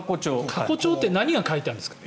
過去帳って何が書いてあるんですか？